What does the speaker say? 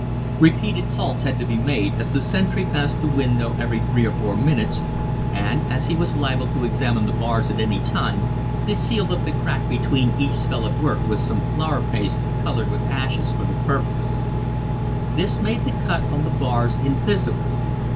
Repeated halts had to be made, as the sentry passed the window every three or four minutes, and, as he was liable to examine the bars at any time, they sealed up the crack between each spell of work with some flour paste colored with ashes for the purpose. This made the cut on the bars invisible.